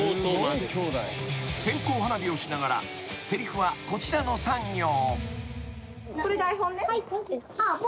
［線香花火をしながらせりふはこちらの３行］